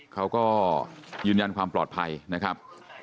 เขาก็ยืนยันความปลอดภัยนะครับ